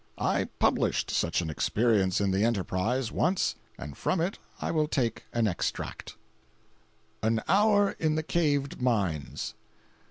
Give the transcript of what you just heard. I published such an experience in the Enterprise, once, and from it I will take an extract: AN HOUR IN THE CAVED MINES.